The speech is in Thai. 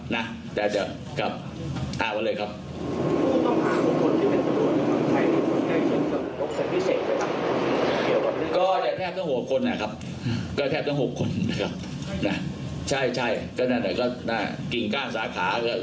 ก็จะแทบทั้ง๖คนนะครับก็แทบทั้ง๖คนนะครับใช่ก็นั่นหน่อยกิ่งก้างสาขานะครับ